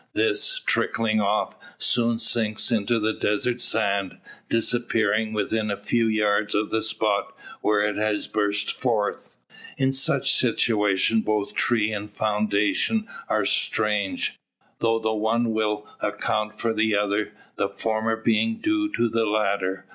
This, trickling off, soon sinks into the desert sand, disappearing within a few yards of the spot where it has burst forth. In such situation both tree and fountain are strange; though the one will account for the other, the former being due to the latter.